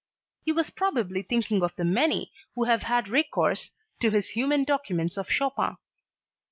He was probably thinking of the many who have had recourse to his human documents of Chopin.